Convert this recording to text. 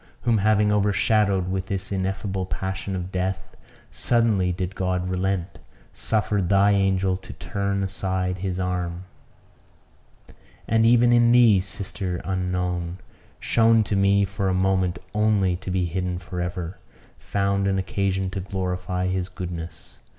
whom having overshadowed with his ineffable passion of death suddenly did God relent; suffered thy angel to turn aside his arm; and even in thee, sister unknown! shown to me for a moment only to be hidden for ever, found an occasion to glorify his goodness.